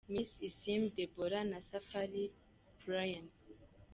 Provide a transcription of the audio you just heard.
Miss Isimbi Deborah na Safari Bryan.